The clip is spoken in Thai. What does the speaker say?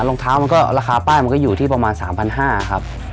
รองเท้ามันก็ราคาป้ายมันก็อยู่ที่ประมาณ๓๕๐๐บาทครับ